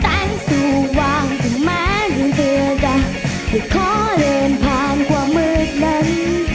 แสงสุวางด้วยแม่งเจือกจะหยุดเครื่องขนาดผ่านความมืดนั้น